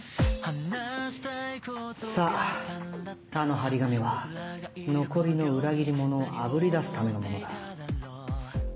さぁあの貼り紙は残りの裏切り者をあぶり出すためのものだ。